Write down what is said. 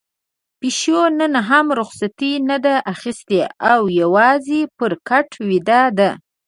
پيشو نن هم رخصتي نه ده اخیستې او يوازې پر کټ ويده ده.